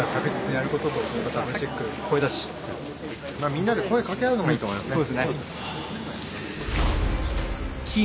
みんなで声かけ合うのがいいと思いますね。